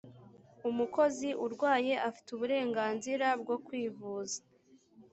umukozi urwaye afite uburenganzira bwo kwivuza.